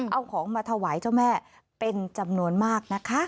เอาของมาถวายเจ้าแม่เป็นจำนวนมากนะคะ